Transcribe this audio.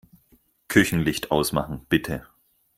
Küchenlicht ausmachen, bitte.